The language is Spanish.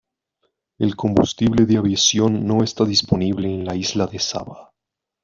El combustible de aviación no está disponible en la isla de Saba.